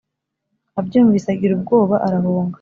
Abyumvise agira ubwoba arahunga